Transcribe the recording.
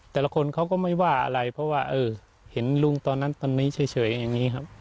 แต่ละคนเขาก็ไม่ว่าอะไรเพราะว่าเห็นลุงตอนนั้นตอนนี้เฉยอย่างนี้ครับ